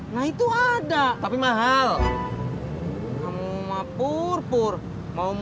nah ini udah selesai mak